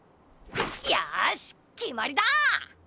よしきまりだ！